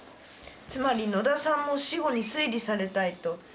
つまり野田さんも死後に推理されたいと。